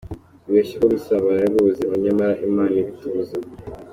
Bibeshya ko gusambana aribwo buzima, nyamara imana ibitubuza.